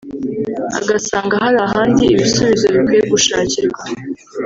agasanga hari ahandi ibisubizo bikwiye gushakirwa